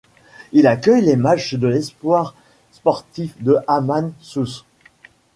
Il accueille les matchs de l'Espoir sportif de Hammam Sousse.